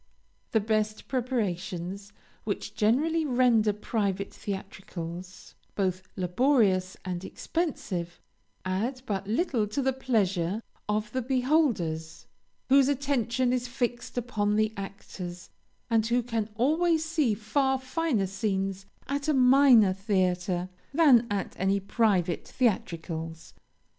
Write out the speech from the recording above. The best preparations, which generally render private theatricals both laborious and expensive, add but little to the pleasure of the beholders, whose attention is fixed upon the actors, and who can always see far finer scenes at a minor theatre than at any private theatricals.